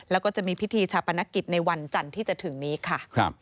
แล้วก็จะมีพิธีชาปนกิจในวันจันทร์ที่จะถึงนี้ค่ะ